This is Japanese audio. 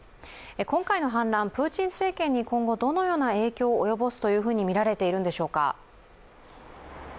今回の反乱、プーチン政権に今後どのような影響を及ぼすとみられているんでしょうか。